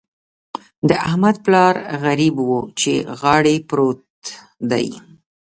د احمد پلار غريب وچې غاړې پروت دی.